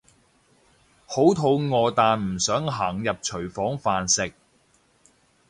好肚餓但唔想行入廚房飯食